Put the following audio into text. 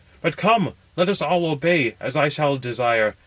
But come, let us all obey as I shall desire.